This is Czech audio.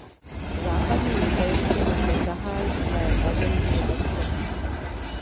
Západní spojenci mohli zahájit své tažení Německem.